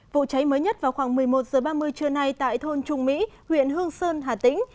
vụ cháy mới nhất vào khoảng một mươi một h ba mươi trưa nay tại thôn trung mỹ huyện hương sơn hà tĩnh